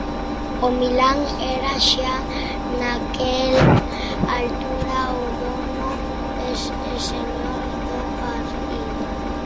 O Milán era xa naquela altura o dono e señor do partido.